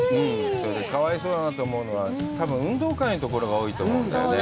かわいそうだなと思うのは、多分運動会のところが多いと思うんだよね。